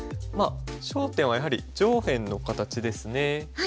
まあ焦点はやはり上辺の形ですね。